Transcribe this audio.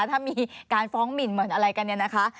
ถ้ามีการฟ้องหมินเหมือนอะไรกันเนี่ยนะคะ